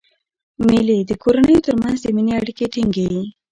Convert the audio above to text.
مېلې د کورنیو تر منځ د میني اړیکي ټینګي.